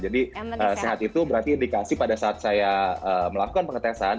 jadi sehat itu berarti indikasi pada saat saya melakukan pengetesan